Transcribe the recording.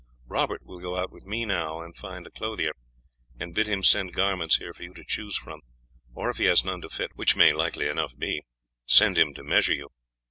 Robert will go out with me now, and find a clothier, and bid him send garments here for you to choose from, or if he has none to fit, which may likely enough be, send him to measure you.